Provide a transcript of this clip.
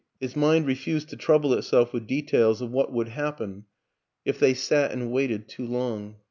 His mind refused to trouble itself with details of what would happen if 156 WILLIAM AN ENGLISHMAN sat and waited too long.